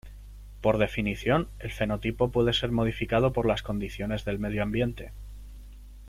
Por definición, el fenotipo puede ser modificado por las condiciones del medio ambiente.